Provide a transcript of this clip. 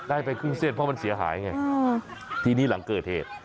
ไปครึ่งเส้นเพราะมันเสียหายไงทีนี้หลังเกิดเหตุ